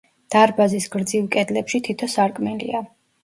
დარბაზის გრძივ კედლებში თითო სარკმელია.